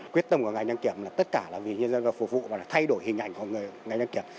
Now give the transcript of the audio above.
quyết tâm của ngành dân kiểm là tất cả là vì nhân dân và phục vụ và thay đổi hình ảnh của ngành dân kiểm